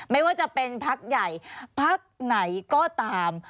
ไม่ว่าจะเป็นพักใหญ่พักไหนก็ตาม